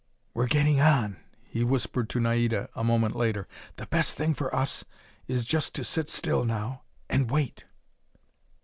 "We're getting on," he whispered to Naida a moment later. "The best thing for us is just to sit still now, and wait."